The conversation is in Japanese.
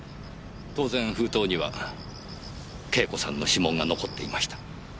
当然封筒には慶子さんの指紋が残っていました。